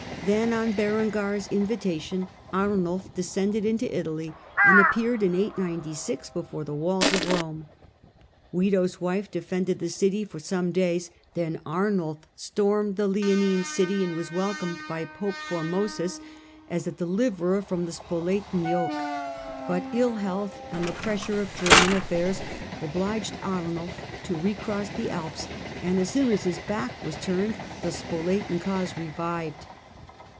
Then, on Berengar's invi tation, Arnulf descended into Italy, and appeared in 896 before the walls of Koine. Wido's wife defended the city for some days, then Arnulf stormed the " Leonine City," and was welcomed by Pope Formosus as a de Margravates of Northern Italy IX Century liverer from the Spoletan yoke. But ill health and the pressure of German affairs obliged Arnulf to recross the Alps, and as soon as his back was turned the Spoletan cause revived.